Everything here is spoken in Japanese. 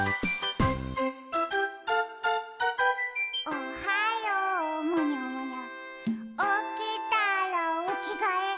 「おはようむにゃむにゃおきたらおきがえ」